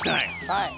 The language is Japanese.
はい。